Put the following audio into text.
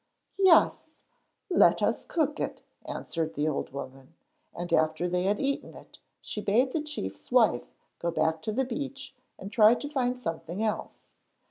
'Yes, let us cook it,' answered the old woman, and after they had eaten it she bade the chief's wife go back to the beach and try to find something else.